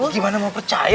gimana mau percaya